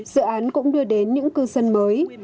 dự án cũng đưa đến những cư dân mới